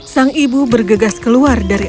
sang ibu bergegas keluar dari